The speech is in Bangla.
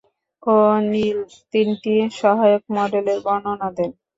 ও’নিল তিনটি সহায়ক মডেলের বর্ণনা দেন।